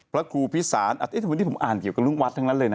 พระครูพิสารทำไมที่ผมอ่านเกี่ยวกับลูกวัดทั้งนั้นเลยนะ